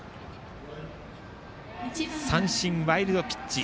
三振、ワイルドピッチ。